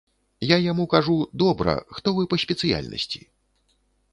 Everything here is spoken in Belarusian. Я яму кажу, добра, хто вы па спецыяльнасці?